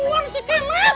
aduh si kemet